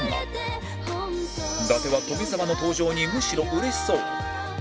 伊達は富澤の登場にむしろうれしそう